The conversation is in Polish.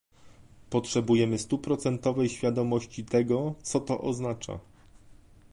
Potrzebujemy stuprocentowej świadomości tego, co to oznacza